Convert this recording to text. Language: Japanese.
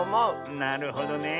なるほどねえ。